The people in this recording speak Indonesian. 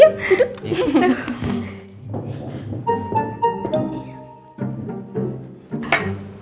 tante berharap kalian berdua itu saling pengertian